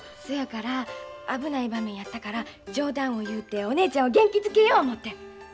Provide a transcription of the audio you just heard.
そやから危ない場面やったから冗談を言うてお姉ちゃんを元気づけよう思て。